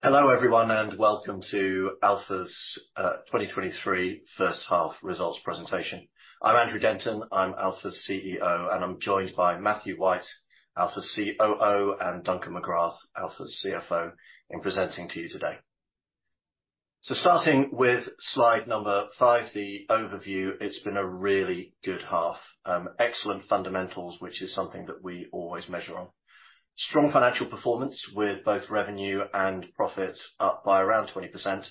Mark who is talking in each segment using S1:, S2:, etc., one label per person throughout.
S1: Hello, everyone, and welcome to Alfa's 2023 first half results presentation. I'm Andrew Denton, I'm Alfa's CEO, and I'm joined by Matthew White, Alfa's COO, and Duncan Magrath, Alfa's CFO, in presenting to you today. Starting with slide five, the overview, it's been a really good half. Excellent fundamentals, which is something that we always measure on. Strong financial performance, with both revenue and profit up by around 20%.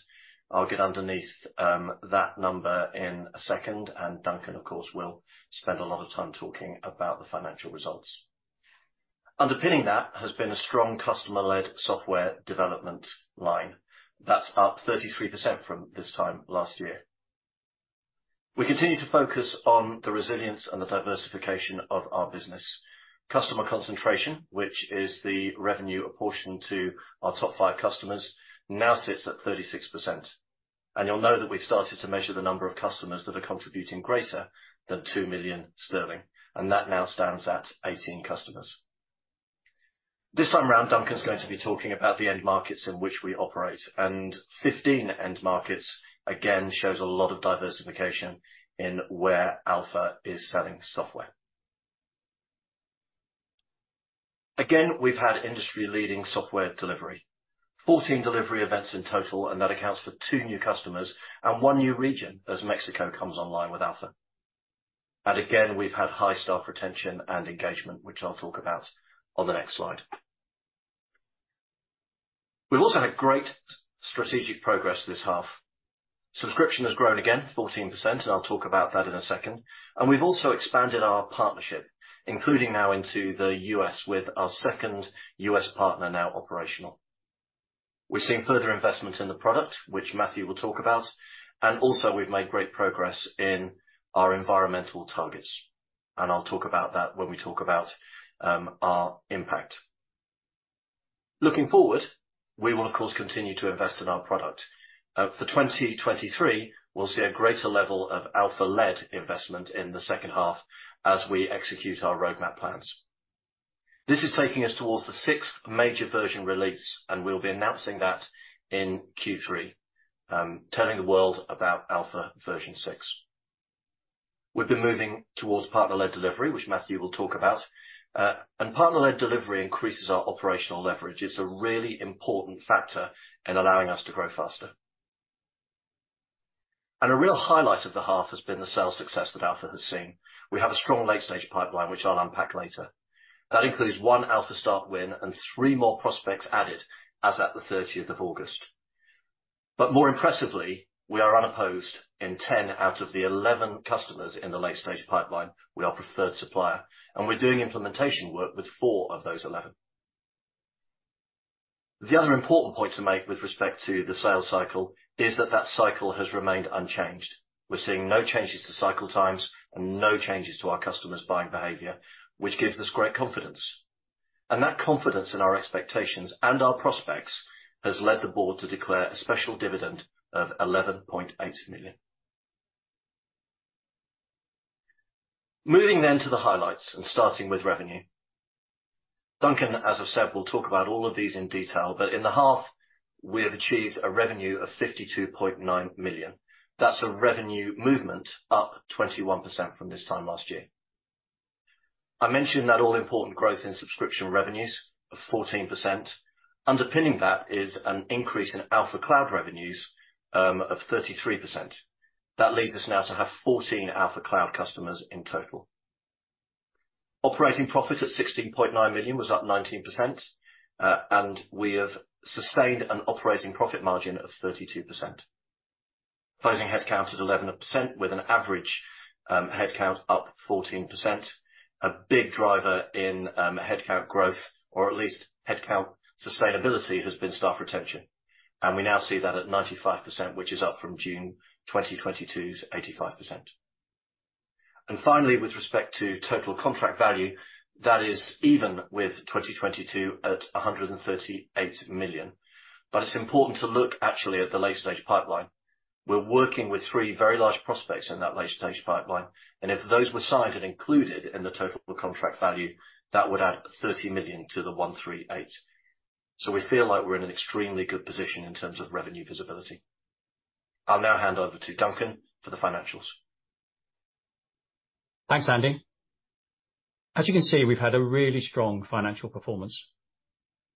S1: I'll get underneath that number in a second, and Duncan, of course, will spend a lot of time talking about the financial results. Underpinning that has been a strong customer-led software development line. That's up 33% from this time last year. We continue to focus on the resilience and the diversification of our business. Customer concentration, which is the revenue apportioned to our top five customers, now sits at 36%, and you'll know that we've started to measure the number of customers that are contributing greater than 2 million sterling, and that now stands at 18 customers. This time around, Duncan's going to be talking about the end markets in which we operate, and 15 end markets, again, shows a lot of diversification in where Alfa is selling software. Again, we've had industry-leading software delivery. 14 delivery events in total, and that accounts for two new customers and one new region as Mexico comes online with Alfa. And again, we've had high staff retention and engagement, which I'll talk about on the next slide. We've also had great strategic progress this half. Subscription has grown again, 14%, and I'll talk about that in a second, and we've also expanded our partnership, including now into the U.S., with our second US partner now operational. We've seen further investment in the product, which Matthew will talk about, and also we've made great progress in our environmental targets, and I'll talk about that when we talk about our impact. Looking forward, we will, of course, continue to invest in our product. For 2023, we'll see a greater level of Alfa-led investment in the second half as we execute our roadmap plans. This is taking us towards the sixth major version release, and we'll be announcing that in Q3, telling the world about Alfa version six. We've been moving towards partner-led delivery, which Matthew will talk about, and partner-led delivery increases our operational leverage. It's a really important factor in allowing us to grow faster. A real highlight of the half has been the sales success that Alfa has seen. We have a strong late stage pipeline, which I'll unpack later. That includes one Alfa Start win and three more prospects added as at the 30th of August. But more impressively, we are unopposed in 10 out of the 11 customers in the late stage pipeline. We are preferred supplier, and we're doing implementation work with four of those 11. The other important point to make with respect to the sales cycle is that that cycle has remained unchanged. We're seeing no changes to cycle times and no changes to our customers' buying behavior, which gives us great confidence. That confidence in our expectations and our prospects has led the board to declare a special dividend of 11.8 million. Moving then to the highlights, and starting with revenue. Duncan, as I've said, will talk about all of these in detail, but in the half, we have achieved a revenue of 52.9 million. That's a revenue movement up 21% from this time last year. I mentioned that all important growth in subscription revenues of 14%. Underpinning that is an increase in Alfa Cloud revenues of 33%. That leads us now to have 14 Alfa Cloud customers in total. Operating profit at 16.9 million was up 19%, and we have sustained an operating profit margin of 32%. Closing headcount at 11%, with an average headcount up 14%. A big driver in headcount growth, or at least headcount sustainability, has been staff retention, and we now see that at 95%, which is up from June 2022's 85%. Finally, with respect to total contract value, that is even with 2022 at 138 million. But it's important to look actually at the late stage pipeline. We're working with 3 very large prospects in that late stage pipeline, and if those were signed and included in the total contract value, that would add 30 million to the 138. So we feel like we're in an extremely good position in terms of revenue visibility. I'll now hand over to Duncan for the financials.
S2: Thanks, Andy. As you can see, we've had a really strong financial performance.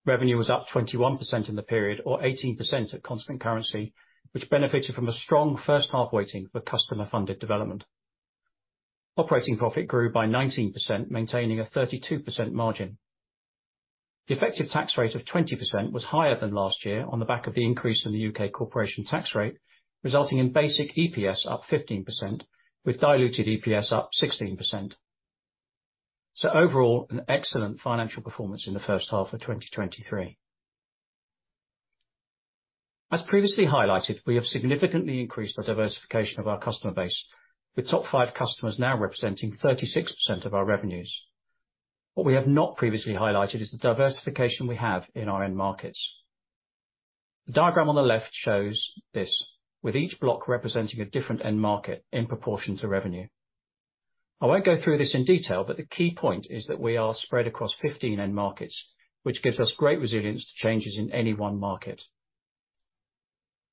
S2: Revenue was up 21% in the period, or 18% at constant currency, which benefited from a strong first half weighting for customer-funded development. Operating profit grew by 19%, maintaining a 32% margin. The effective tax rate of 20% was higher than last year on the back of the increase in the UK corporation tax rate, resulting in basic EPS up 15%, with diluted EPS up 16%. So overall, an excellent financial performance in the first half of 2023. As previously highlighted, we have significantly increased the diversification of our customer base, with top five customers now representing 36% of our revenues. What we have not previously highlighted is the diversification we have in our end markets. The diagram on the left shows this, with each block representing a different end market in proportion to revenue. I won't go through this in detail, but the key point is that we are spread across 15 end markets, which gives us great resilience to changes in any one market.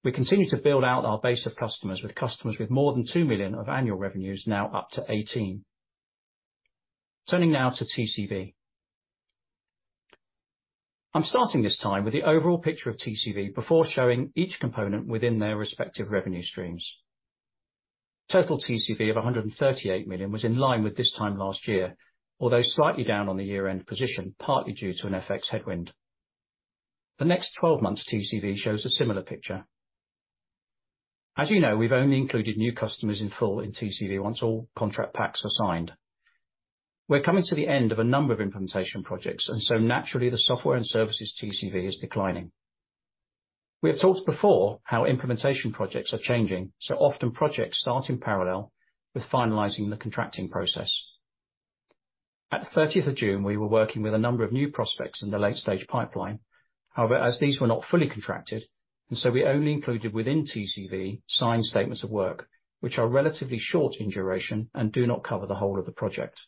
S2: We continue to build out our base of customers, with customers with more than 2 million of annual revenues now up to 18. Turning now to TCV. I'm starting this time with the overall picture of TCV before showing each component within their respective revenue streams. Total TCV of 138 million was in line with this time last year, although slightly down on the year-end position, partly due to an FX headwind. The next 12 months TCV shows a similar picture. As you know, we've only included new customers in full in TCV once all contract packs are signed. We're coming to the end of a number of implementation projects, and so naturally, the software and services TCV is declining. We have talked before how implementation projects are changing, so often projects start in parallel with finalizing the contracting process. At the 30th of June, we were working with a number of new prospects in the late-stage pipeline. However, as these were not fully contracted, and so we only included within TCV signed statements of work, which are relatively short in duration and do not cover the whole of the project.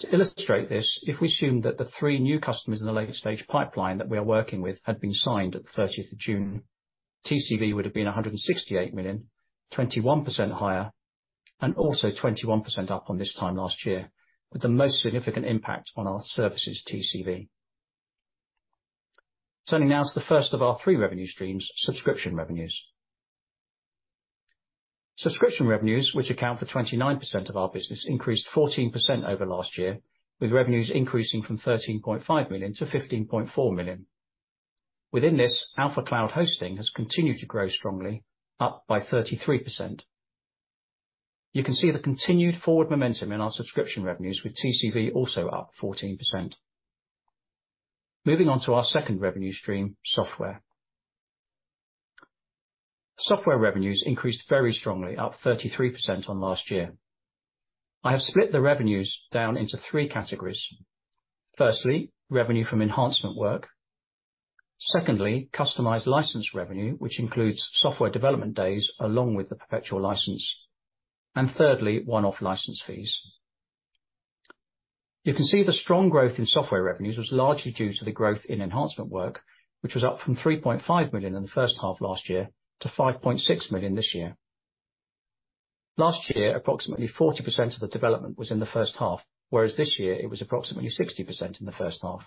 S2: To illustrate this, if we assume that the three new customers in the later stage pipeline that we are working with had been signed at the 30th of June, TCV would have been 168 million, 21 higher and also 21% up on this time last year, with the most significant impact on our services TCV. Turning now to the first of our three revenue streams, subscription revenues. Subscription revenues, which account for 29% of our business, increased 14% over last year, with revenues increasing from 13.5 million to 15.4 million. Within this, Alfa Cloud hosting has continued to grow strongly, up by 33%. You can see the continued forward momentum in our subscription revenues, with TCV also up 14%. Moving on to our second revenue stream, software. Software revenues increased very strongly, up 33% on last year. I have split the revenues down into three categories. Firstly, revenue from enhancement work. Secondly, customized license revenue, which includes software development days, along with the perpetual license. And thirdly, one-off license fees. You can see the strong growth in software revenues was largely due to the growth in enhancement work, which was up from 3.5 million in the first half last year to 5.6 million this year. Last year, approximately 40% of the development was in the first half, whereas this year it was approximately 60% in the first half.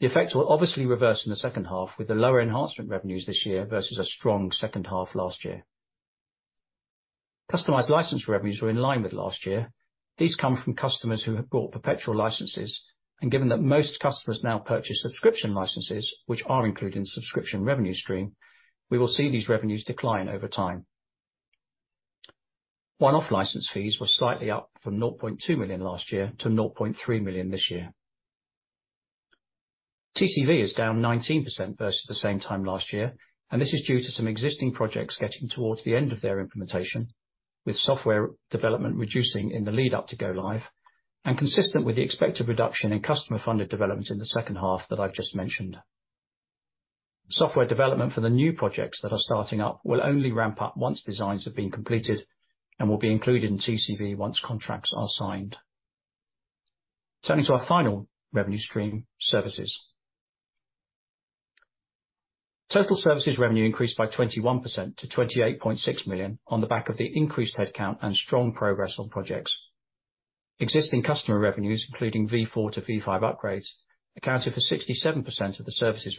S2: The effect will obviously reverse in the second half, with the lower enhancement revenues this year versus a strong second half last year. Customized license revenues were in line with last year. These come from customers who have bought perpetual licenses, and given that most customers now purchase subscription licenses, which are included in subscription revenue stream, we will see these revenues decline over time. One-off license fees were slightly up from 0.2 million last year to 0.3 million this year. TCV is down 19% versus the same time last year, and this is due to some existing projects getting towards the end of their implementation, with software development reducing in the lead up to go live and consistent with the expected reduction in customer-funded development in the second half that I've just mentioned. Software development for the new projects that are starting up will only ramp up once designs have been completed and will be included in TCV once contracts are signed. Turning to our final revenue stream, services. Total services revenue increased by 21% to 28.6 million on the back of the increased headcount and strong progress on projects. Existing customer revenues, including V4 to V5 upgrades, accounted for 67% of the services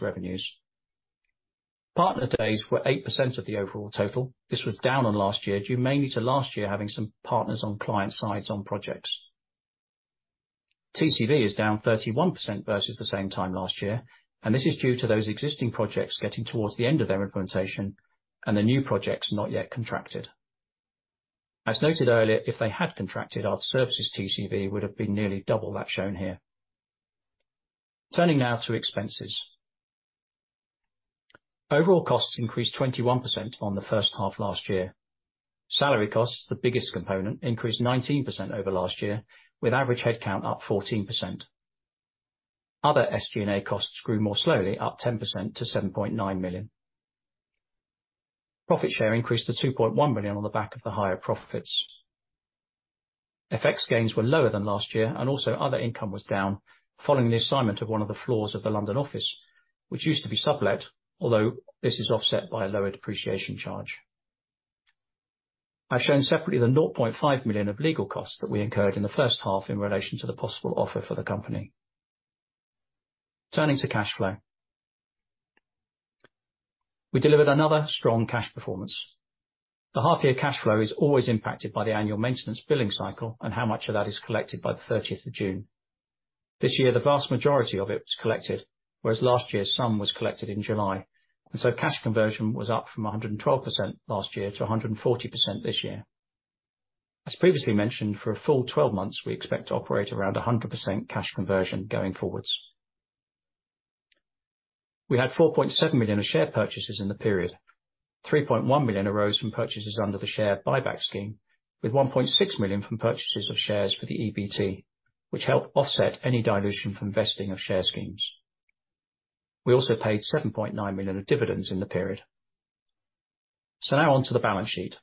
S2: revenues. Partner days were 8% of the overall total. This was down on last year, due mainly to last year having some partners on client sites on projects. TCV is down 31% versus the same time last year, and this is due to those existing projects getting towards the end of their implementation and the new projects not yet contracted. As noted earlier, if they had contracted, our services TCV would have been nearly double that shown here. Turning now to expenses. Overall costs increased 21% on the first half last year. Salary costs, the biggest component, increased 19% over last year, with average headcount up 14%. Other SG&A costs grew more slowly, up 10% to 7.9 million. Profit share increased to 2.1 million on the back of the higher profits. FX gains were lower than last year, and also other income was down following the assignment of one of the floors of the London office, which used to be sublet, although this is offset by a lower depreciation charge. I've shown separately the 0.5 million of legal costs that we incurred in the first half in relation to the possible offer for the company. Turning to cash flow. We delivered another strong cash performance. The half year cash flow is always impacted by the annual maintenance billing cycle and how much of that is collected by the thirtieth of June. This year, the vast majority of it was collected, whereas last year, some was collected in July, and so cash conversion was up from 112% last year to 140% this year. As previously mentioned, for a full 12 months, we expect to operate around 100% cash conversion going forwards. We had 4.7 million in share purchases in the period. 3.1 million arose from purchases under the share buyback scheme, with 1.6 million from purchases of shares for the EBT, which helped offset any dilution from vesting of share schemes. We also paid 7.9 million of dividends in the period. So now on to the balance sheet.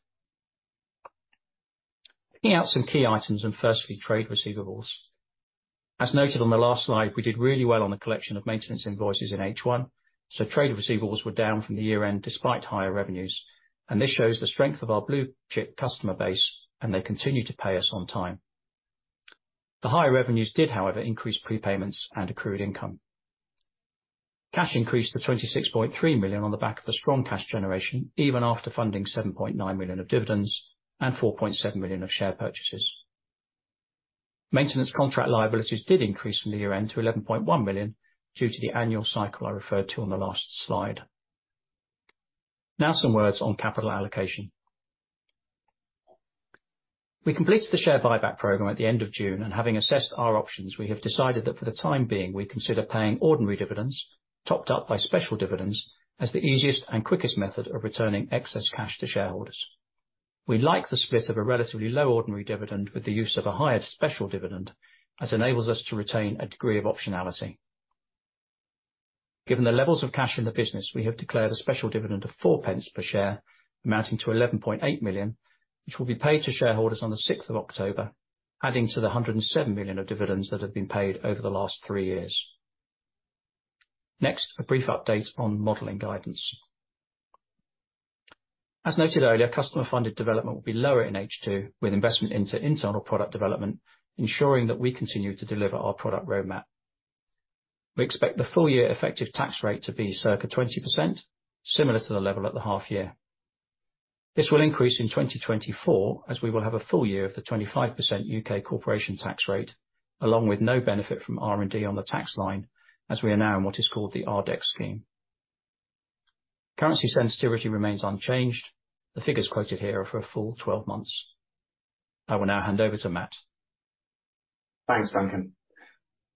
S2: Picking out some key items, and firstly, trade receivables. As noted on the last slide, we did really well on the collection of maintenance invoices in H1, so trade receivables were down from the year-end, despite higher revenues, and this shows the strength of our blue chip customer base, and they continue to pay us on time. The higher revenues did, however, increase prepayments and accrued income. Cash increased to 26.3 million on the back of the strong cash generation, even after funding 7.9 million of dividends and 4.7 million of share purchases. Maintenance contract liabilities did increase from the year-end to 11.1 million due to the annual cycle I referred to on the last slide. Now some words on capital allocation. We completed the share buyback program at the end of June, and having assessed our options, we have decided that for the time being, we consider paying ordinary dividends, topped up by special dividends, as the easiest and quickest method of returning excess cash to shareholders. We like the split of a relatively low ordinary dividend with the use of a higher special dividend, as enables us to retain a degree of optionality. Given the levels of cash in the business, we have declared a special dividend of 0.04 per share, amounting to 11.8 million, which will be paid to shareholders on the sixth of October, adding to the 107 million of dividends that have been paid over the last three years. Next, a brief update on modeling guidance. As noted earlier, customer-funded development will be lower in H2, with investment into internal product development, ensuring that we continue to deliver our product roadmap. We expect the full year effective tax rate to be circa 20%, similar to the level at the half year. This will increase in 2024, as we will have a full year of the 25% U.K. corporation tax rate, along with no benefit from R&D on the tax line, as we are now in what is called the RDEC scheme. Currency sensitivity remains unchanged. The figures quoted here are for a full 12 months. I will now hand over to Matt.
S3: Thanks, Duncan.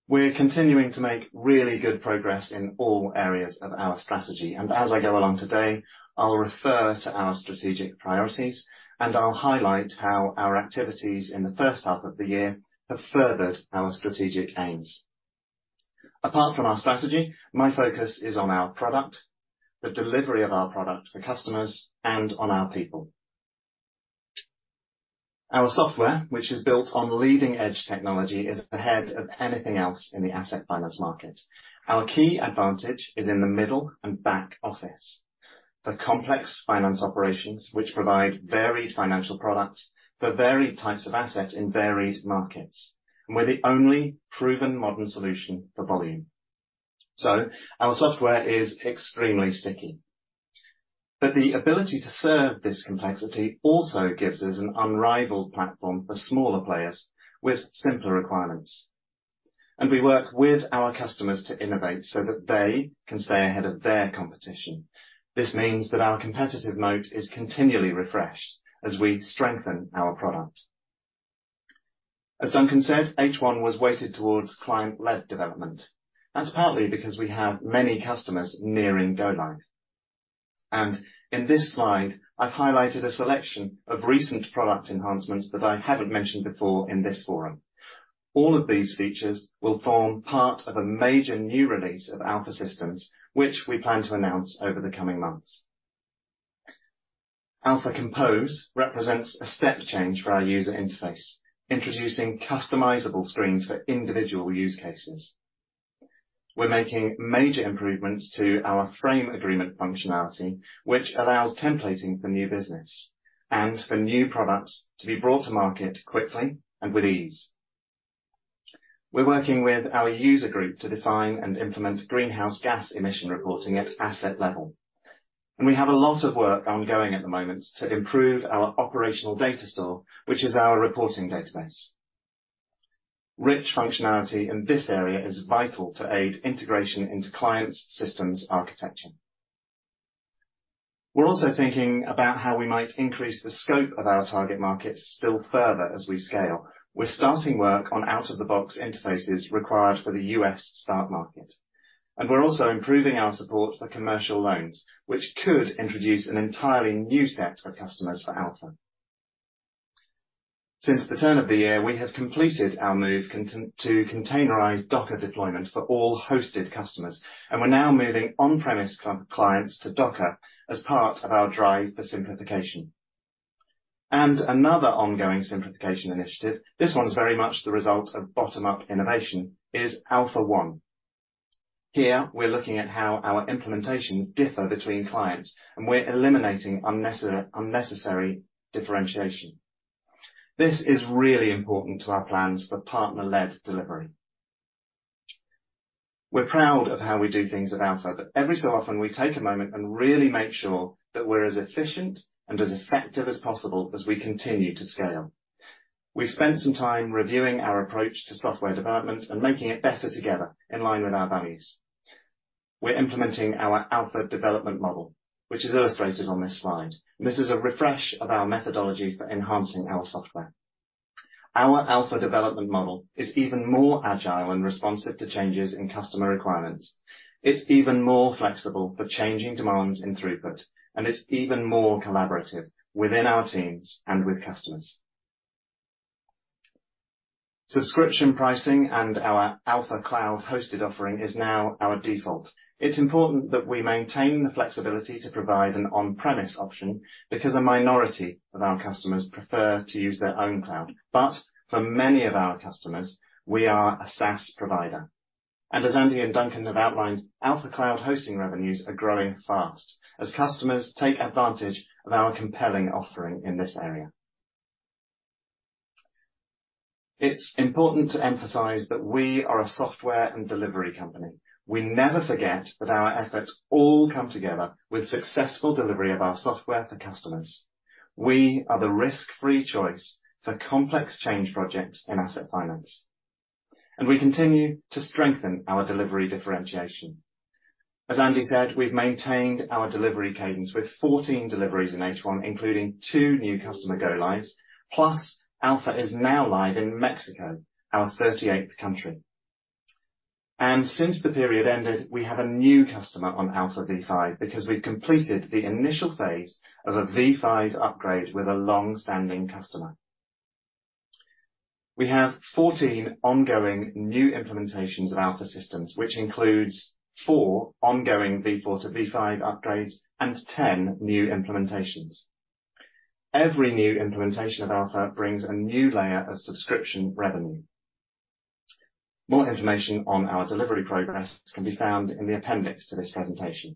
S3: We're continuing to make really good progress in all areas of our strategy, and as I go along today, I'll refer to our strategic priorities, and I'll highlight how our activities in the first half of the year have furthered our strategic aims. Apart from our strategy, my focus is on our product, the delivery of our product to customers, and on our people. Our software, which is built on leading-edge technology, is ahead of anything else in the asset finance market. Our key advantage is in the middle and back office. The complex finance operations, which provide varied financial products for varied types of assets in varied markets, and we're the only proven modern solution for volume. So our software is extremely sticky, but the ability to serve this complexity also gives us an unrivaled platform for smaller players with simpler requirements. We work with our customers to innovate so that they can stay ahead of their competition. This means that our competitive moat is continually refreshed as we strengthen our product. As Duncan said, H1 was weighted towards client-led development. That's partly because we have many customers nearing go live. In this slide, I've highlighted a selection of recent product enhancements that I haven't mentioned before in this forum. All of these features will form part of a major new release of Alfa Systems, which we plan to announce over the coming months. Alfa Compose represents a step change for our user interface, introducing customizable screens for individual use cases. We're making major improvements to our frame agreement functionality, which allows templating for new business and for new products to be brought to market quickly and with ease. We're working with our user group to define and implement greenhouse gas emission reporting at asset level, and we have a lot of work ongoing at the moment to improve our Operational Data Store, which is our reporting database. Rich functionality in this area is vital to aid integration into clients' systems architecture. We're also thinking about how we might increase the scope of our target market still further as we scale. We're starting work on out-of-the-box interfaces required for the US Start market, and we're also improving our support for commercial loans, which could introduce an entirely new set of customers for Alfa. Since the turn of the year, we have completed our move to containerize Docker deployment for all hosted customers, and we're now moving on-premises clients to Docker as part of our drive for simplification. Another ongoing simplification initiative, this one is very much the result of bottom-up innovation, is Alfa One. Here, we're looking at how our implementations differ between clients, and we're eliminating unnecessary, unnecessary differentiation. This is really important to our plans for partner-led delivery. We're proud of how we do things at Alfa, but every so often we take a moment and really make sure that we're as efficient and as effective as possible as we continue to scale. We've spent some time reviewing our approach to software development and making it better together in line with our values. We're implementing our Alfa Development Model, which is illustrated on this slide. This is a refresh of our methodology for enhancing our software. Our Alfa Development Model is even more agile and responsive to changes in customer requirements. It's even more flexible for changing demands in throughput, and it's even more collaborative within our teams and with customers. Subscription pricing and our Alfa Cloud hosted offering is now our default. It's important that we maintain the flexibility to provide an on-premise option, because a minority of our customers prefer to use their own cloud. But for many of our customers, we are a SaaS provider. And as Andy and Duncan have outlined, Alfa Cloud hosting revenues are growing fast as customers take advantage of our compelling offering in this area. It's important to emphasize that we are a software and delivery company. We never forget that our efforts all come together with successful delivery of our software for customers. We are the risk-free choice for complex change projects in asset finance, and we continue to strengthen our delivery differentiation. As Andy said, we've maintained our delivery cadence with 14 deliveries in H1, including two new customer go-lives. Plus, Alfa is now live in Mexico, our 38th country. Since the period ended, we have a new customer on Alfa V5, because we've completed the initial phase of a V5 upgrade with a long-standing customer. We have 14 ongoing new implementations of Alfa Systems, which includes four ongoing V4 to V5 upgrades and 10 new implementations. Every new implementation of Alfa brings a new layer of subscription revenue. More information on our delivery progress can be found in the appendix to this presentation.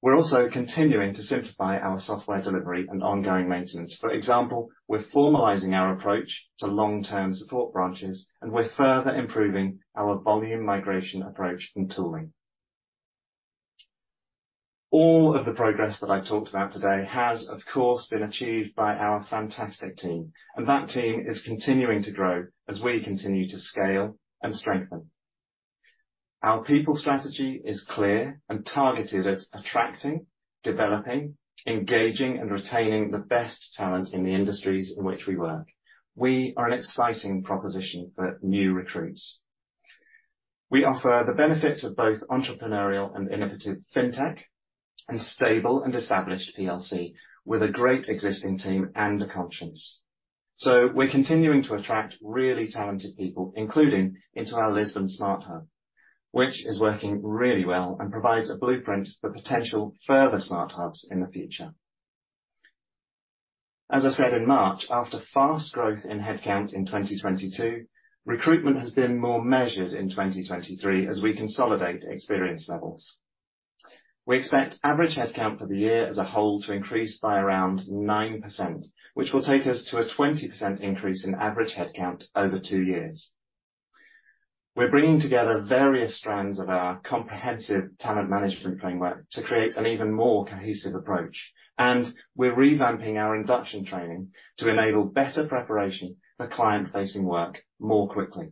S3: We're also continuing to simplify our software delivery and ongoing maintenance. For example, we're formalizing our approach to long-term support branches, and we're further improving our volume migration approach and tooling. All of the progress that I talked about today has, of course, been achieved by our fantastic team, and that team is continuing to grow as we continue to scale and strengthen. Our people strategy is clear and targeted at attracting, developing, engaging, and retaining the best talent in the industries in which we work. We are an exciting proposition for new recruits. We offer the benefits of both entrepreneurial and innovative fintech, and stable and established PLC, with a great existing team and a conscience. So we're continuing to attract really talented people, including into our Lisbon Smart Hub, which is working really well and provides a blueprint for potential further Smart Hubs in the future. As I said in March, after fast growth in headcount in 2022, recruitment has been more measured in 2023 as we consolidate experience levels. We expect average headcount for the year as a whole to increase by around 9%, which will take us to a 20% increase in average headcount over two years. We're bringing together various strands of our comprehensive talent management framework to create an even more cohesive approach, and we're revamping our induction training to enable better preparation for client-facing work more quickly.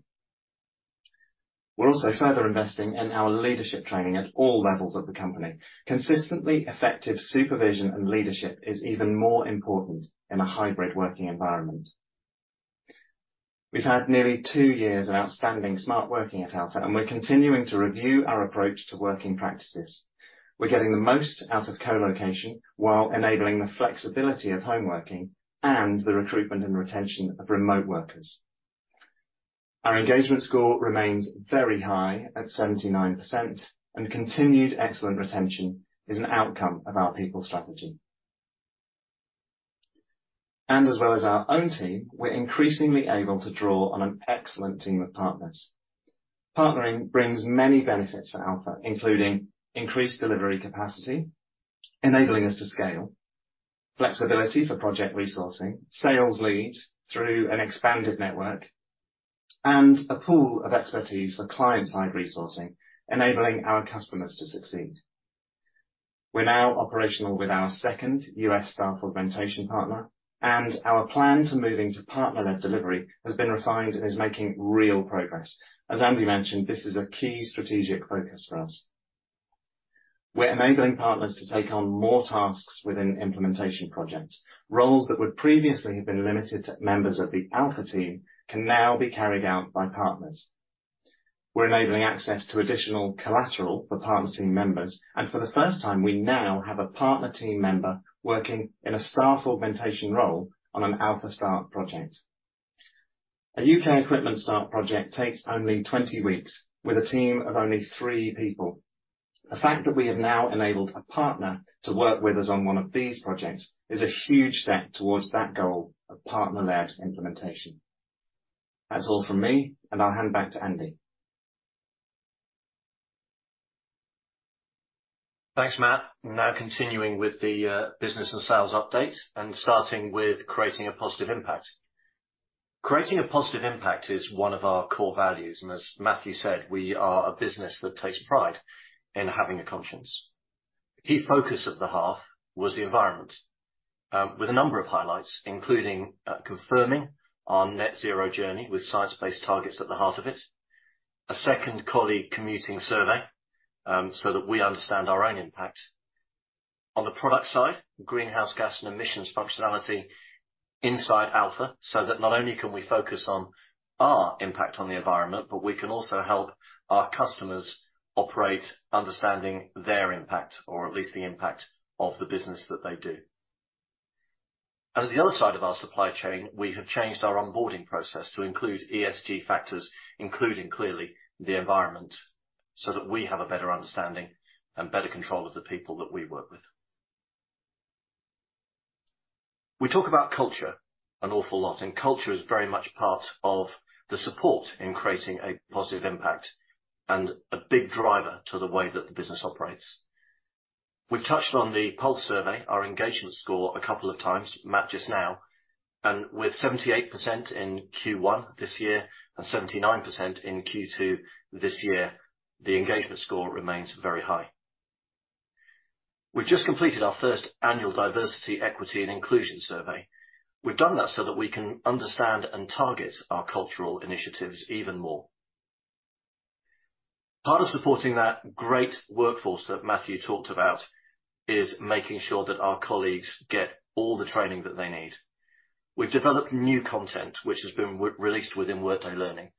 S3: We're also further investing in our leadership training at all levels of the company. Consistently effective supervision and leadership is even more important in a hybrid working environment. We've had nearly two years of outstanding smart working at Alfa, and we're continuing to review our approach to working practices. We're getting the most out of co-location, while enabling the flexibility of home working and the recruitment and retention of remote workers. Our engagement score remains very high at 79%, and continued excellent retention is an outcome of our people strategy. And as well as our own team, we're increasingly able to draw on an excellent team of partners. Partnering brings many benefits for Alfa, including increased delivery capacity, enabling us to scale, flexibility for project resourcing, sales leads through an expanded network, and a pool of expertise for client-side resourcing, enabling our customers to succeed. We're now operational with our second US staff augmentation partner, and our plan to moving to partner-led delivery has been refined and is making real progress. As Andy mentioned, this is a key strategic focus for us. We're enabling partners to take on more tasks within implementation projects. Roles that would previously have been limited to members of the Alfa team can now be carried out by partners. We're enabling access to additional collateral for partner team members, and for the first time, we now have a partner team member working in a staff augmentation role on an Alfa Start project. A UK equipment Start project takes only 20 weeks, with a team of only three people. The fact that we have now enabled a partner to work with us on one of these projects is a huge step towards that goal of partner-led implementation. That's all from me, and I'll hand back to Andy.
S1: Thanks, Matt. Now continuing with the business and sales update, and starting with creating a positive impact. Creating a positive impact is one of our core values, and as Matthew said, we are a business that takes pride in having a conscience. The key focus of the half was the environment, with a number of highlights, including confirming our net zero journey with Science Based Targets at the heart of it, a second colleague commuting survey, so that we understand our own impact. On the product side, greenhouse gas and emissions functionality inside Alfa, so that not only can we focus on our impact on the environment, but we can also help our customers operate, understanding their impact, or at least the impact of the business that they do. At the other side of our supply chain, we have changed our onboarding process to include ESG factors, including, clearly, the environment, so that we have a better understanding and better control of the people that we work with. We talk about culture an awful lot, and culture is very much part of the support in creating a positive impact and a big driver to the way that the business operates. We've touched on the pulse survey, our engagement score, a couple of times, Matt just now, and with 78% in Q1 this year and 79% in Q2 this year, the engagement score remains very high. We've just completed our first annual diversity, equity, and inclusion survey. We've done that so that we can understand and target our cultural initiatives even more. Part of supporting that great workforce that Matthew talked about is making sure that our colleagues get all the training that they need. We've developed new content, which has been released within Workday Learning.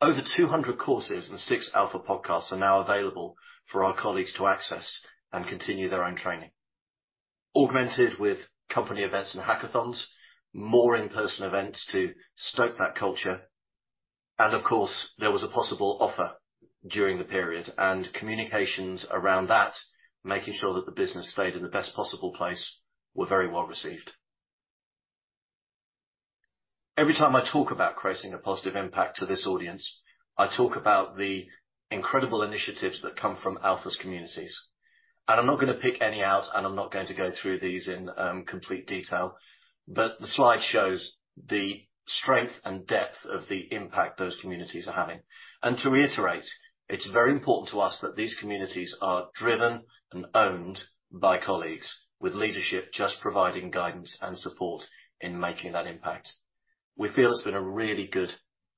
S1: Over 200 courses and six Alfa podcasts are now available for our colleagues to access and continue their own training, augmented with company events and hackathons, more in-person events to stoke that culture. And of course, there was a possible offer during the period, and communications around that, making sure that the business stayed in the best possible place, were very well received. Every time I talk about creating a positive impact to this audience, I talk about the incredible initiatives that come from Alfa's communities. I'm not going to pick any out, and I'm not going to go through these in complete detail, but the slide shows the strength and depth of the impact those communities are having. To reiterate, it's very important to us that these communities are driven and owned by colleagues, with leadership just providing guidance and support in making that impact. We feel it's been a really good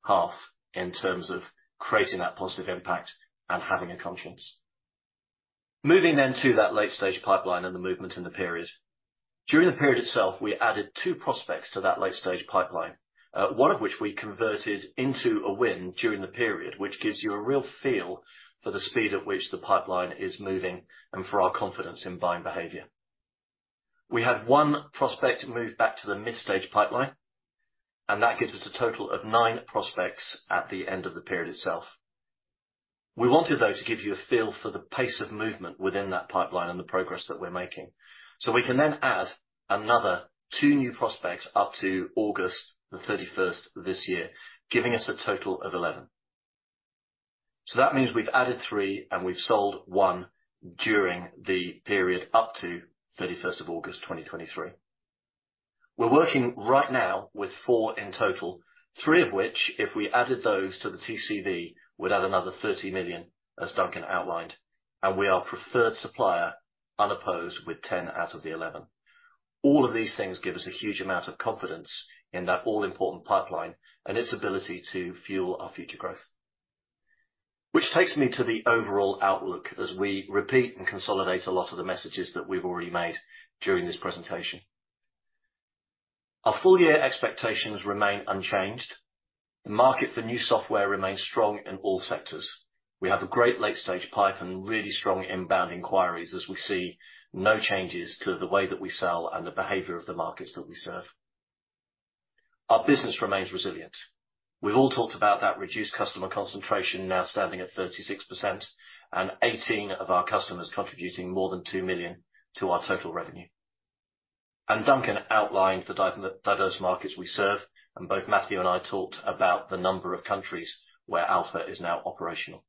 S1: half in terms of creating that positive impact and having a conscience. Moving to that late-stage pipeline and the movement in the period. During the period itself, we added two prospects to that late-stage pipeline, one of which we converted into a win during the period, which gives you a real feel for the speed at which the pipeline is moving and for our confidence in buying behavior. We had one prospect move back to the mid-stage pipeline, and that gives us a total of nine prospects at the end of the period itself. We wanted, though, to give you a feel for the pace of movement within that pipeline and the progress that we're making, so we can then add another two new prospects up to August the 31st this year, giving us a total of 11. So that means we've added three, and we've sold one during the period up to 31st of August 2023. We're working right now with four in total, three of which, if we added those to the TCV, would add another 30 million, as Duncan outlined, and we are preferred supplier, unopposed, with 10 out of the 11. All of these things give us a huge amount of confidence in that all-important pipeline and its ability to fuel our future growth. Which takes me to the overall outlook as we repeat and consolidate a lot of the messages that we've already made during this presentation. Our full year expectations remain unchanged. The market for new software remains strong in all sectors. We have a great late-stage pipe and really strong inbound inquiries as we see no changes to the way that we sell and the behavior of the markets that we serve. Our business remains resilient. We've all talked about that reduced customer concentration, now standing at 36%, and 18 of our customers contributing more than 2 million to our total revenue. Duncan outlined the diverse markets we serve, and both Matthew and I talked about the number of countries where Alfa is now operational.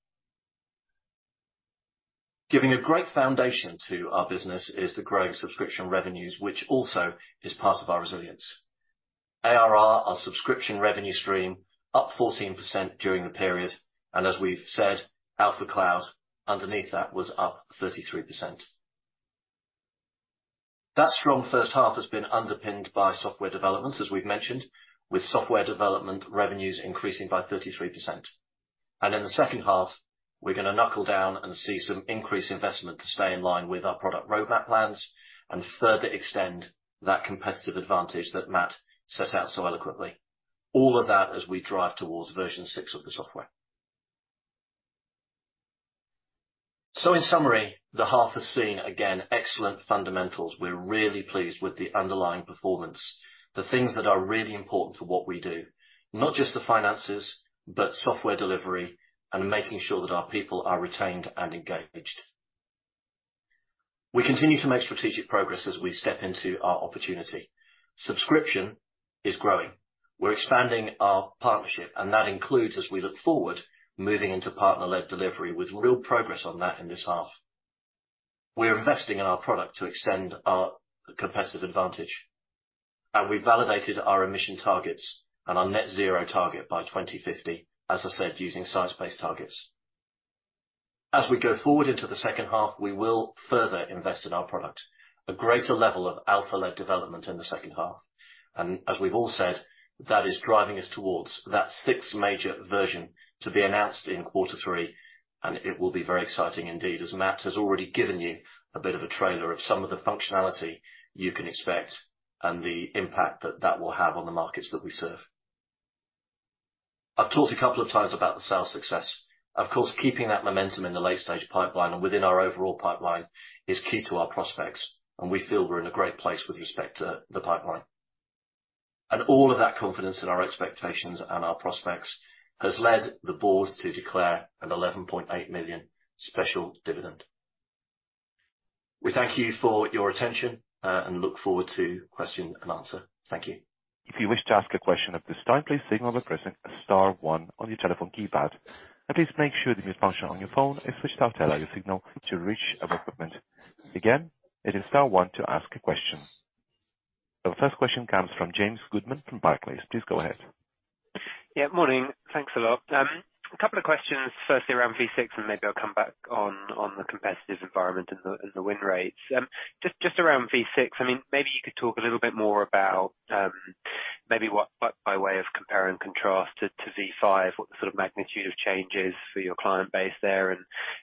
S1: Giving a great foundation to our business is the growing subscription revenues, which also is part of our resilience. ARR, our subscription revenue stream, up 14% during the period, and as we've said, Alfa Cloud, underneath that, was up 33%. That strong first half has been underpinned by software developments, as we've mentioned, with software development revenues increasing by 33%. In the second half, we're going to knuckle down and see some increased investment to stay in line with our product roadmap plans and further extend that competitive advantage that Matt set out so eloquently. All of that as we drive towards version six of the software. In summary, the half has seen, again, excellent fundamentals. We're really pleased with the underlying performance, the things that are really important to what we do, not just the finances, but software delivery and making sure that our people are retained and engaged. We continue to make strategic progress as we step into our opportunity. Subscription is growing. We're expanding our partnership, and that includes, as we look forward, moving into partner-led delivery, with real progress on that in this half. We're investing in our product to extend our competitive advantage, and we validated our emission targets and our net zero target by 2050, as I said, using Science-Based Targets. As we go forward into the second half, we will further invest in our product, a greater level of Alfa-led development in the second half. And as we've all said, that is driving us towards that sixth major version to be announced in quarter three, and it will be very exciting indeed, as Matt has already given you a bit of a trailer of some of the functionality you can expect and the impact that that will have on the markets that we serve. I've talked a couple of times about the sales success. Of course, keeping that momentum in the late stage pipeline and within our overall pipeline is key to our prospects, and we feel we're in a great place with respect to the pipeline. And all of that confidence in our expectations and our prospects has led the board to declare a 11.8 million special dividend. We thank you for your attention, and look forward to question and answer. Thank you.
S4: If you wish to ask a question at this time, please signal by pressing star one on your telephone keypad. Please make sure the mute function on your phone is switched off to allow your signal to reach our equipment. Again, it is star one to ask a question. The first question comes from James Goodman from Barclays. Please go ahead.
S5: Yeah, morning. Thanks a lot. A couple of questions, firstly, around V6, and maybe I'll come back on, on the competitive environment and the, and the win rates. Just, just around V6, I mean, maybe you could talk a little bit more about, maybe what—by, by way of compare and contrast to, to V5, what the sort of magnitude of change is for your client base there, and,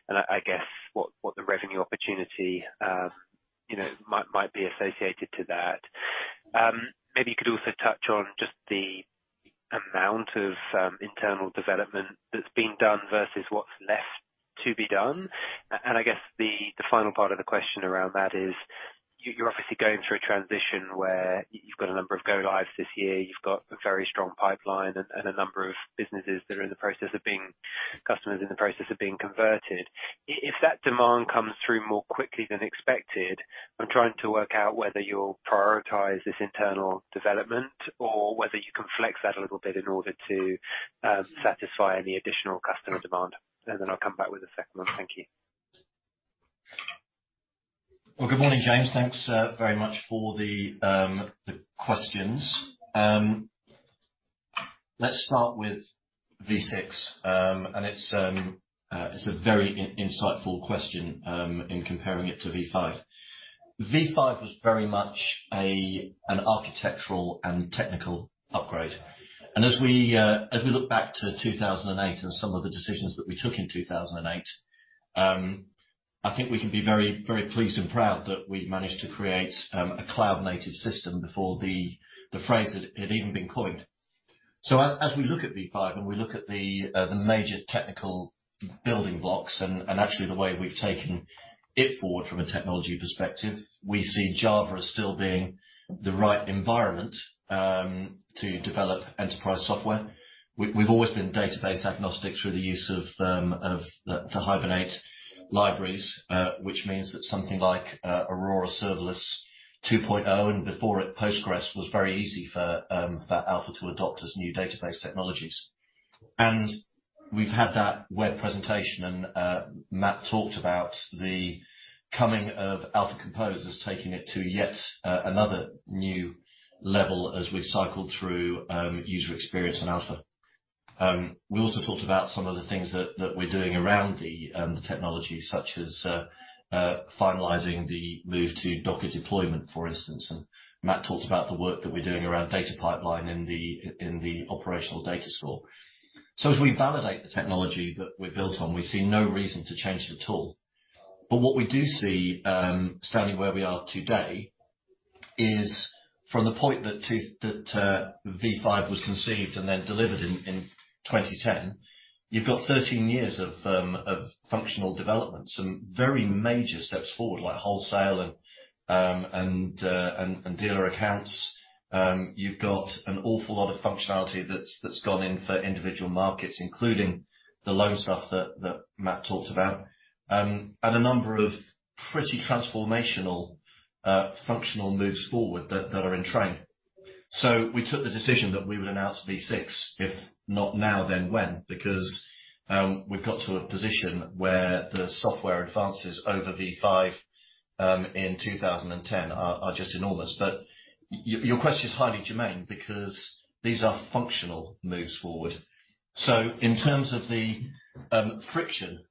S5: and I, I guess, what, what the revenue opportunity, you know, might, might be associated to that. Maybe you could also touch on just the amount of, internal development that's being done versus what's left to be done. And I guess the, the final part of the question around that is, you're obviously going through a transition where you've got a number of go lives this year. You've got a very strong pipeline and a number of customers in the process of being converted. If that demand comes through more quickly than expected, I'm trying to work out whether you'll prioritize this internal development or whether you can flex that a little bit in order to satisfy any additional customer demand. And then I'll come back with a second one. Thank you.
S1: Well, good morning, James. Thanks, very much for the questions. Let's start with V6. It's a very insightful question in comparing it to V5. V5 was very much an architectural and technical upgrade. As we look back to 2008 and some of the decisions that we took in 2008, I think we can be very, very pleased and proud that we managed to create a cloud native system before the phrase had even been coined. So as we look at V5, and we look at the major technical building blocks, and actually the way we've taken it forward from a technology perspective, we see Java as still being the right environment to develop enterprise software. We've always been database agnostic through the use of the Hibernate libraries, which means that something like Aurora Serverless 2.0, and before it, Postgres, was very easy for Alfa to adopt as new database technologies. And we've had that web presentation, and Matt talked about the coming of Alfa Compose as taking it to yet another new level as we cycle through user experience in Alfa. We also talked about some of the things that we're doing around the technology, such as finalizing the move to Docker deployment, for instance. And Matt talked about the work that we're doing around data pipeline in the operational data store. So as we validate the technology that we've built on, we see no reason to change it at all. But what we do see, standing where we are today, is from the point that V5 was conceived and then delivered in 2010, you've got 13 years of functional development, some very major steps forward, like wholesale and dealer accounts. You've got an awful lot of functionality that's gone in for individual markets, including the loan stuff that Matt talked about, and a number of pretty transformational functional moves forward that are in train. So we took the decision that we would announce V6, if not now, then when? Because we've got to a position where the software advances over V5 in 2010 are just enormous. But your question is highly germane, because these are functional moves forward. So in terms of the friction,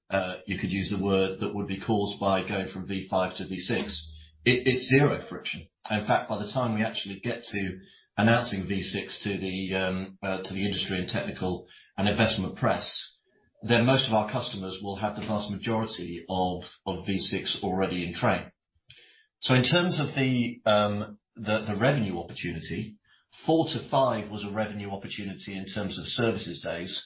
S1: you could use the word, that would be caused by going from V5 to V6, it's zero friction. In fact, by the time we actually get to announcing V6 to the industry and technical and investment press, then most of our customers will have the vast majority of V6 already in train. So in terms of the revenue opportunity, four to five was a revenue opportunity in terms of services days.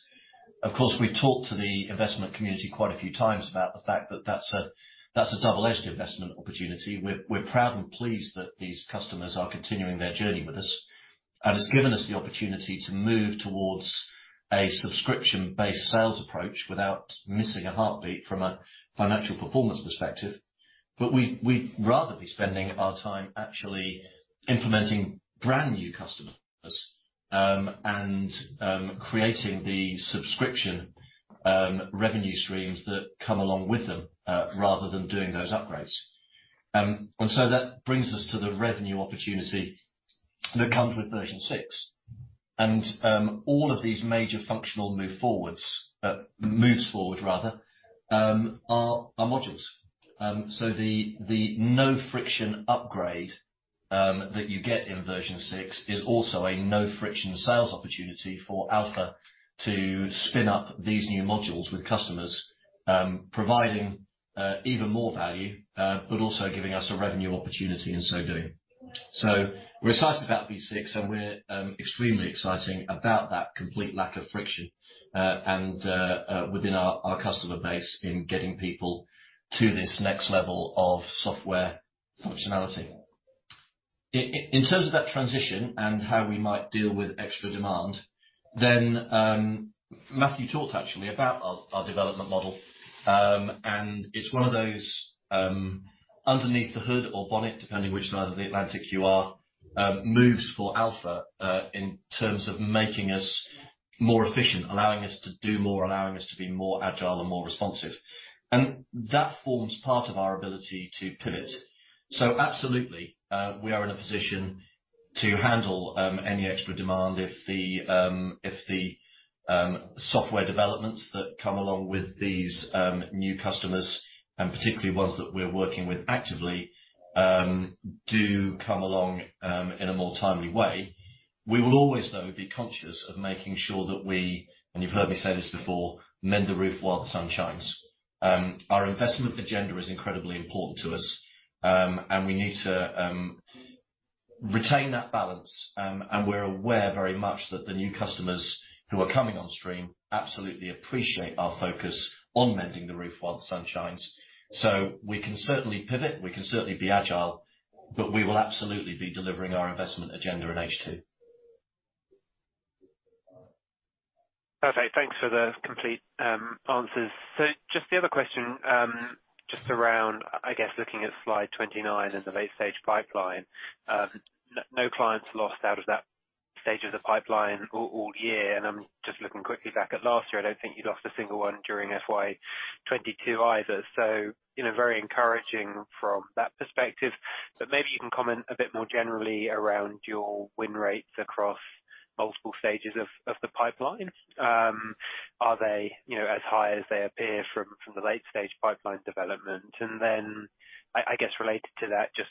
S1: Of course, we've talked to the investment community quite a few times about the fact that that's a double-edged investment opportunity. We're proud and pleased that these customers are continuing their journey with us, and it's given us the opportunity to move towards a subscription-based sales approach without missing a heartbeat from a financial performance perspective. But we'd rather be spending our time actually implementing brand new customers, and creating the subscription revenue streams that come along with them, rather than doing those upgrades. So that brings us to the revenue opportunity that comes with version six. And all of these major functional move forward, moves forward, rather, are modules. So the no friction upgrade that you get in version six is also a no friction sales opportunity for Alfa to spin up these new modules with customers, providing even more value, but also giving us a revenue opportunity in so doing... So we're excited about V6, and we're extremely exciting about that complete lack of friction, and within our customer base in getting people to this next level of software functionality. In terms of that transition and how we might deal with extra demand, then, Matthew talked actually about our development model. And it's one of those, underneath the hood or bonnet, depending which side of the Atlantic you are, moves for Alfa, in terms of making us more efficient, allowing us to do more, allowing us to be more agile and more responsive. And that forms part of our ability to pivot. So absolutely, we are in a position to handle any extra demand if the software developments that come along with these new customers, and particularly ones that we're working with actively, do come along in a more timely way. We will always, though, be conscious of making sure that we, and you've heard me say this before, mend the roof while the sun shines. Our investment agenda is incredibly important to us, and we need to retain that balance, and we're aware very much that the new customers who are coming on stream absolutely appreciate our focus on mending the roof while the sun shines. So we can certainly pivot, we can certainly be agile, but we will absolutely be delivering our investment agenda in H2.
S5: Perfect. Thanks for the complete answers. So just the other question, just around, I guess, looking at slide 29 and the late stage pipeline. No clients lost out of that stage of the pipeline all year, and I'm just looking quickly back at last year, I don't think you lost a single one during FY 2022 either. So in a very encouraging from that perspective, but maybe you can comment a bit more generally around your win rates across multiple stages of the pipeline. Are they, you know, as high as they appear from the late stage pipeline development? And then I guess, related to that, just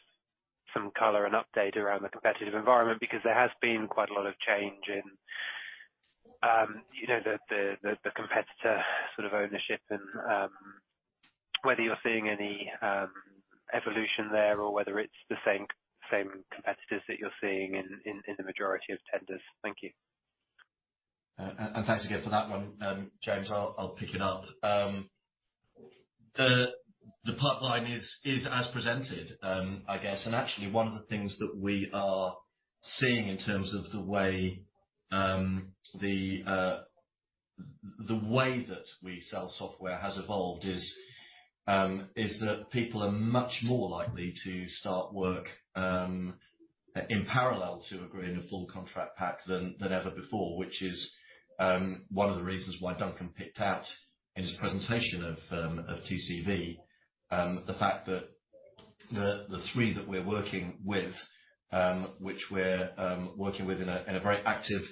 S5: some color and update around the competitive environment, because there has been quite a lot of change in, you know, the competitor sort of ownership and, whether you're seeing any evolution there or whether it's the same competitors that you're seeing in the majority of tenders? Thank you.
S1: Thanks again for that one, James. I'll pick it up. The pipeline is as presented, I guess. Actually, one of the things that we are seeing in terms of the way that we sell software has evolved is that people are much more likely to start work in parallel to agreeing a full contract pack than ever before, which is one of the reasons why Duncan picked out, in his presentation of TCV, the fact that the three that we're working with, which we're working with in a very active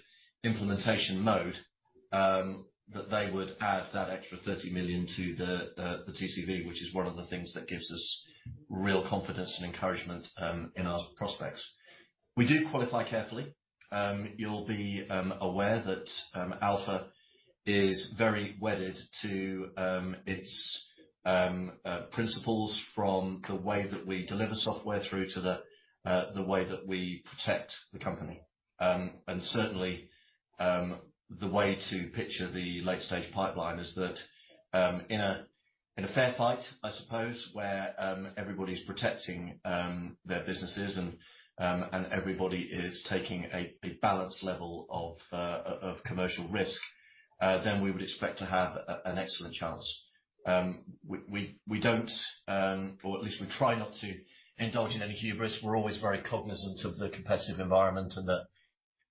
S1: implementation mode, that they would add that extra £30 million to the TCV, which is one of the things that gives us real confidence and encouragement in our prospects. We do qualify carefully. You'll be aware that Alfa is very wedded to its principles from the way that we deliver software through to the way that we protect the company. And certainly, the way to picture the late stage pipeline is that in a fair fight, I suppose, where everybody's protecting their businesses and everybody is taking a balanced level of commercial risk, then we would expect to have an excellent chance. We don't, or at least we try not to indulge in any hubris. We're always very cognizant of the competitive environment and that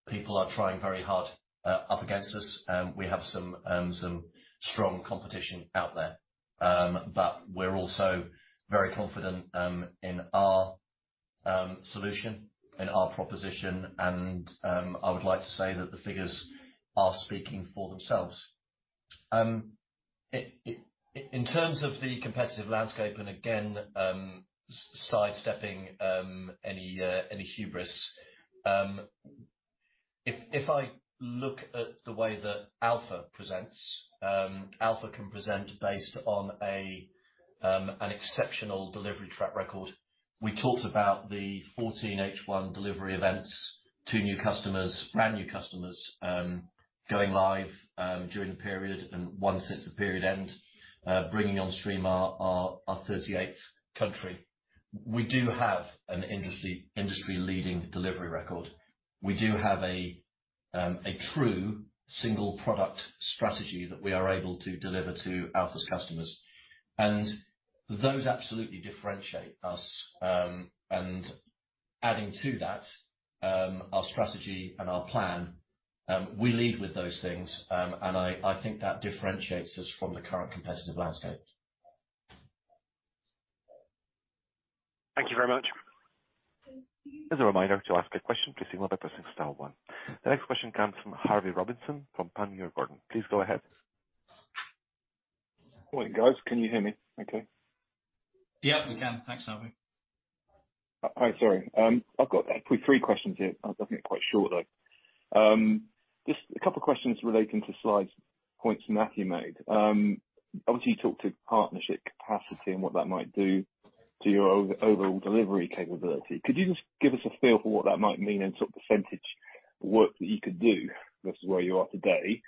S1: people are trying very hard up against us. We have some strong competition out there. But we're also very confident in our solution and our proposition, and I would like to say that the figures are speaking for themselves. In terms of the competitive landscape, and again, sidestepping any hubris, if I look at the way that Alfa presents, Alfa can present based on an exceptional delivery track record. We talked about the 14 H1 delivery events, two new customers, brand new customers, going live during the period and one since the period end, bringing on stream our thirty-eighth country. We do have an industry-leading delivery record. We do have a true single product strategy that we are able to deliver to Alfa's customers, and those absolutely differentiate us. And adding to that, our strategy and our plan, we lead with those things, and I think that differentiates us from the current competitive landscape.
S5: Thank you very much.
S4: As a reminder, to ask a question, please signal by pressing star one. The next question comes from Harvey Robinson of Panmure Gordon. Please go ahead.
S6: Morning, guys. Can you hear me okay?
S1: Yeah, we can. Thanks, Harvey.
S6: All right. Sorry. I've got three questions here. I'll definitely make it quite short, though.... Just a couple questions relating to slides, points Matthew made. Obviously, you talked of partnership capacity and what that might do to your overall delivery capability. Could you just give us a feel for what that might mean in sort of percentage of work that you could do versus where you are today?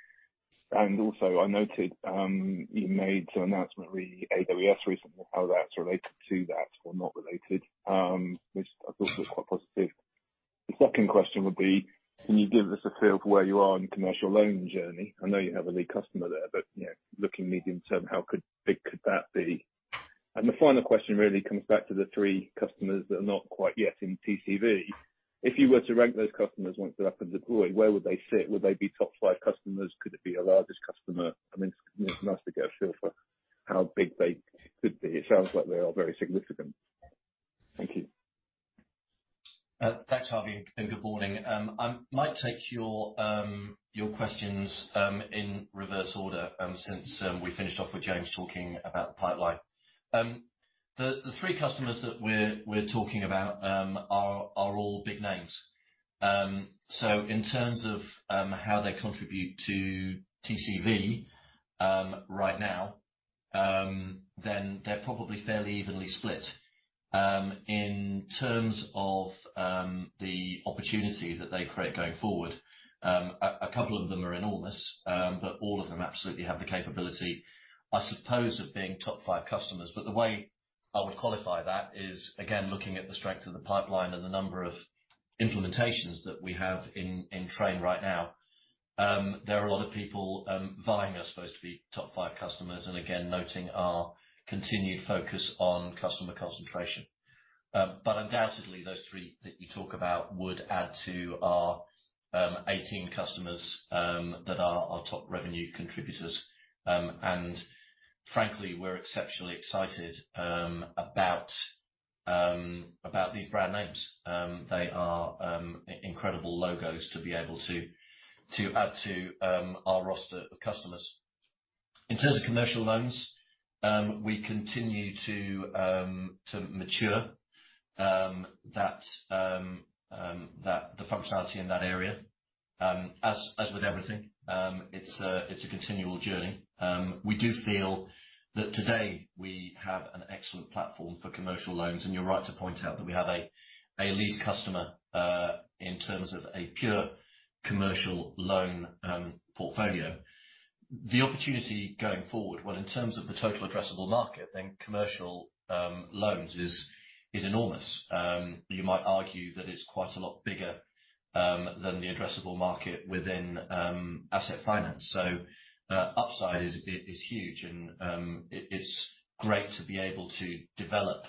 S6: And also, I noted, you made an announcement re AWS recently, how that's related to that or not related, which I thought was quite positive. The second question would be, can you give us a feel for where you are in the commercial loan journey? I know you have a lead customer there, but, you know, looking medium-term, how big could that be? And the final question really comes back to the three customers that are not quite yet in TCV. If you were to rank those customers once they're up and deployed, where would they sit? Would they be top five customers? Could it be your largest customer? I mean, nice to get a feel for how big they could be. It sounds like they are very significant. Thank you.
S1: Thanks, Harvey, and good morning. I might take your questions in reverse order, since we finished off with James talking about the pipeline. The three customers that we're talking about are all big names. So in terms of how they contribute to TCV right now, then they're probably fairly evenly split. In terms of the opportunity that they create going forward, a couple of them are enormous, but all of them absolutely have the capability, I suppose, of being top five customers. But the way I would qualify that is, again, looking at the strength of the pipeline and the number of implementations that we have in train right now, there are a lot of people vying, I suppose, to be top five customers, and again, noting our continued focus on customer concentration. But undoubtedly, those three that you talk about would add to our 18 customers that are our top revenue contributors. And frankly, we're exceptionally excited about these brand names. They are incredible logos to be able to add to our roster of customers. In terms of commercial loans, we continue to mature the functionality in that area. As with everything, it's a continual journey. We do feel that today, we have an excellent platform for commercial loans, and you're right to point out that we have a lead customer in terms of a pure commercial loan portfolio. The opportunity going forward, well, in terms of the total addressable market, then commercial loans is enormous. You might argue that it's quite a lot bigger than the addressable market within asset finance. So, upside is huge, and it it's great to be able to develop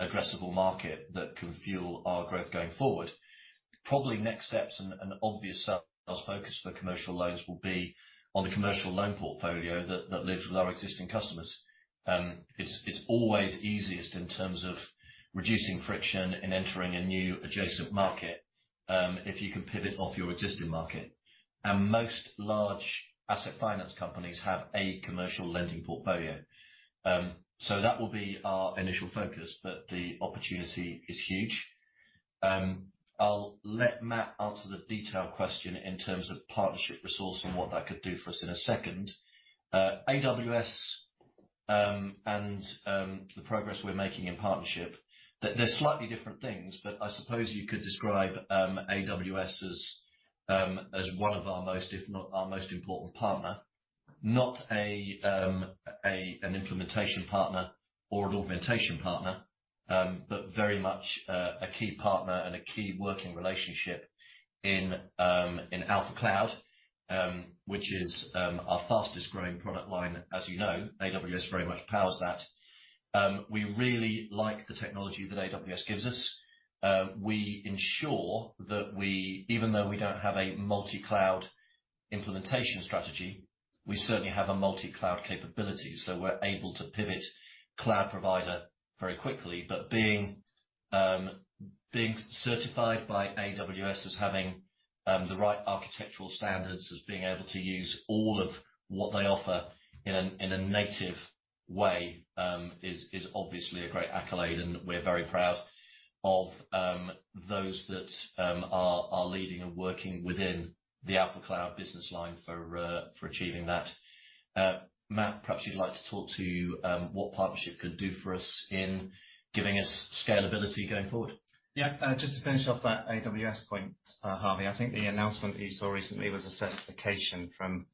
S1: addressable market that can fuel our growth going forward. Probably next steps, and an obvious focus for commercial loans, will be on the commercial loan portfolio that lives with our existing customers. It's always easiest in terms of reducing friction in entering a new adjacent market if you can pivot off your existing market. Most large asset finance companies have a commercial lending portfolio. So that will be our initial focus, but the opportunity is huge. I'll let Matt answer the detailed question in terms of partnership resource and what that could do for us in a second. AWS and the progress we're making in partnership, they're slightly different things, but I suppose you could describe AWS as one of our most, if not our most important partner. Not an implementation partner or an augmentation partner, but very much a key partner and a key working relationship in Alfa Cloud, which is our fastest growing product line, as you know. AWS very much powers that. We really like the technology that AWS gives us. We ensure that we even though we don't have a multi-cloud implementation strategy, we certainly have a multi-cloud capability, so we're able to pivot cloud provider very quickly. But being certified by AWS as having the right architectural standards, as being able to use all of what they offer in a native way, is obviously a great accolade, and we're very proud of those that are leading and working within the Alfa Cloud business line for achieving that. Matt, perhaps you'd like to talk to what partnership could do for us in giving us scalability going forward.
S3: Yeah. Just to finish off that AWS point, Harvey, I think the announcement that you saw recently was a certification from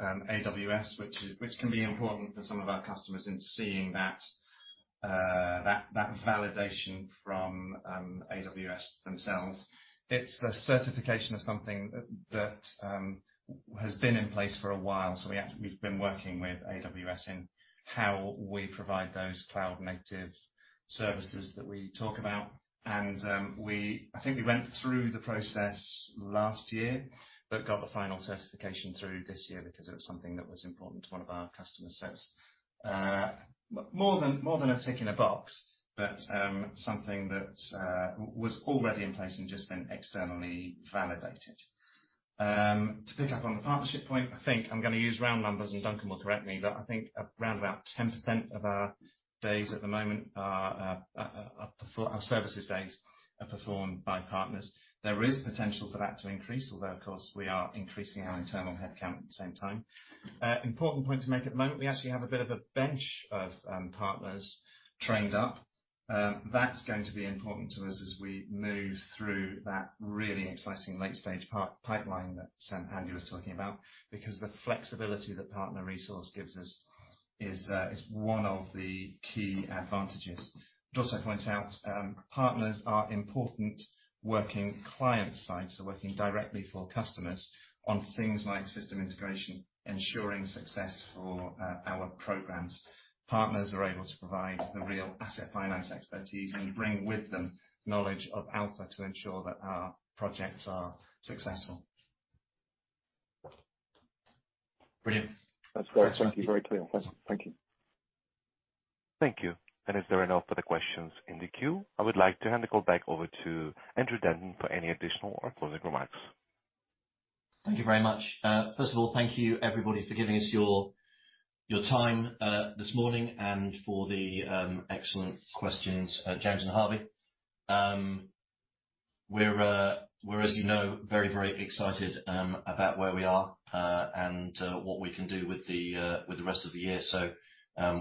S3: AWS, which can be important for some of our customers in seeing that validation from AWS themselves. It's a certification of something that has been in place for a while, so we've been working with AWS in how we provide those cloud-native services that we talk about. And I think we went through the process last year, but got the final certification through this year because it was something that was important to one of our customers. So it's more than a tick in a box, but something that was already in place and just been externally validated. To pick up on the partnership point, I think I'm gonna use round numbers, and Duncan will correct me, but I think around about 10% of our days at the moment are our services days are performed by partners. There is potential for that to increase, although, of course, we are increasing our internal headcount at the same time. Important point to make, at the moment, we actually have a bit of a bench of partners trained up. That's going to be important to us as we move through that really exciting late-stage pipeline that Andy was talking about, because the flexibility that partner resource gives us is one of the key advantages. I'd also point out, partners are important working client side, so working directly for customers on things like system integration, ensuring success for our programs. Partners are able to provide the real asset finance expertise and bring with them knowledge of Alfa to ensure that our projects are successful.
S1: Brilliant.
S6: That's great. Thank you. Very clear. Thank you.
S4: Thank you. And is there any more further questions in the queue? I would like to hand the call back over to Andrew Denton for any additional or closing remarks.
S1: Thank you very much. First of all, thank you, everybody, for giving us your time this morning and for the excellent questions, James and Harvey. We're, as you know, very, very excited about where we are and what we can do with the rest of the year. So,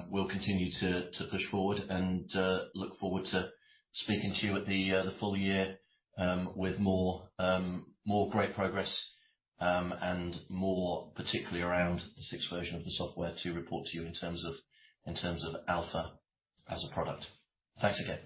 S1: we'll continue to push forward and look forward to speaking to you at the full year with more great progress and more particularly around the sixth version of the software to report to you in terms of Alfa as a product. Thanks again.